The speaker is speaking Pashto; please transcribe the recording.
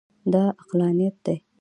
دا عقلانیت دی.